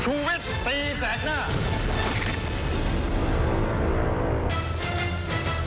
ชุวิตตีแสดหน้า